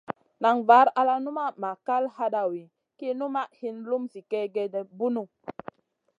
Nan var al numaʼ ma kal hadawi ki numaʼ hin lum zi kègèda bunu.